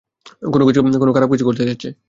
কোনও খারাপ কিছু ঘটতে যাচ্ছে!